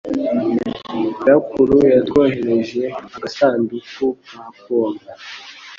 Nyirakuru yatwoherereje agasanduku ka pome.